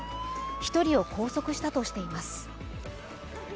１人を拘束したとしています。